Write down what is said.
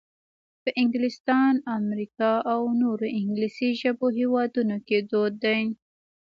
په انګلستان، امریکا او نورو انګلیسي ژبو هېوادونو کې دود دی.